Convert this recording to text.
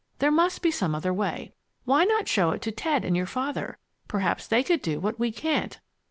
There must be some other way. Why not show it to Ted and your father? Perhaps they could do what we can't."